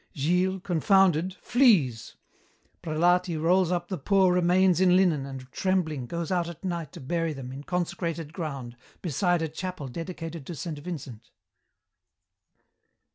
Gilles, confounded, flees. Prelati rolls up the poor remains in linen and, trembling, goes out at night to bury them in consecrated ground beside a chapel dedicated to Saint Vincent.